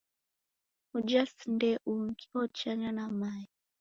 Uja si ndee ungi, ochanya na mae.